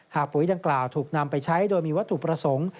ปุ๋ยดังกล่าวถูกนำไปใช้โดยมีวัตถุประสงค์